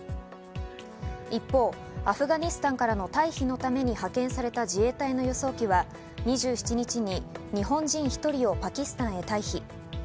一方、アフガニスタンからの退避のために派遣された自衛隊の輸送機は２７日に日本人１人をパキスタンへ退避。